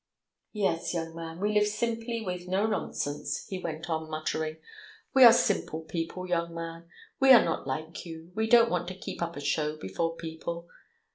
"Yes, young man, we live simply with no nonsense," he went on muttering. "We are simple people, young man. ... We are not like you, we don't want to keep up a show before people.